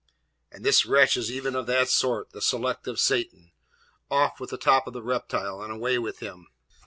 And this wretch is even of that sort, the select of Satan! Off with the top of the reptile, and away with him!'